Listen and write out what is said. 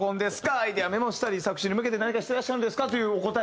アイデアメモしたり作詞に向けて何かしてらっしゃるんですか？というお答え